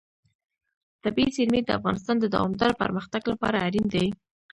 طبیعي زیرمې د افغانستان د دوامداره پرمختګ لپاره اړین دي.